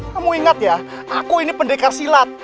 kamu ingat ya aku ini pendekar silat